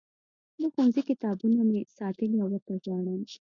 د ښوونځي کتابونه مې ساتلي او ورته ژاړم